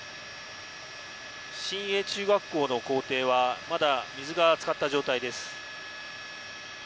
新栄中学校の校庭はまだ水がつかった状態です。